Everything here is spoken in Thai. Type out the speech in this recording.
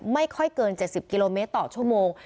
ไม่ค่อยเกิน๗๐กิโลเมตรต่อชั่วโมง